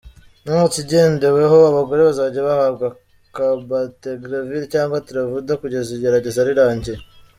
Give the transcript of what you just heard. Nta kigendeweho abagore bazajya bahabwa cabotegravir cyangwa Truvada kugeza igerageza rirangiye.